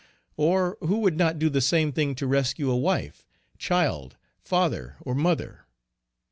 Or who would not do the same thing to rescue a wife, child, father, or mother?